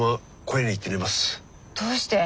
どうして？